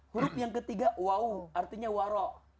huruf yang ketiga waw artinya waro'